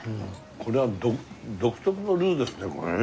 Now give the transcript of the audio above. これは独特のルーですねこれね。